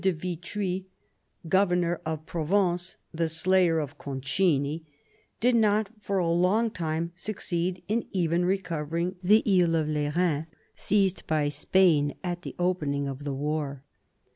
de Vitry, governor of Provence — the slayer of Concini— did not for a long time succeed in even recovering the Isles of Lerins, seized by Spain at the opening of the war.